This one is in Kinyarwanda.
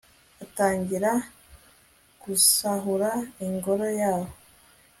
atangira gusahura ingoro yahoo